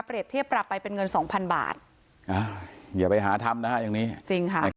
เทียบปรับไปเป็นเงินสองพันบาทอ่าอย่าไปหาทำนะฮะอย่างนี้จริงค่ะ